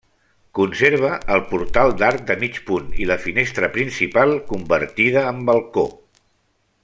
Conserva el portal d'arc de mig punt i la finestra principal, convertida en balcó.